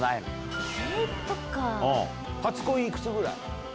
初恋、いくつぐらい？